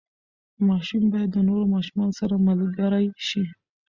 ماشوم باید د نورو ماشومانو سره ملګری شي.